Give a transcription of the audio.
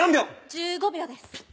１５秒です。